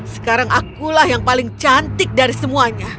sekarang akulah yang paling cantik dari semuanya